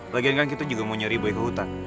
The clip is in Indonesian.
lagian kan kita juga mau nyari boy ke hutan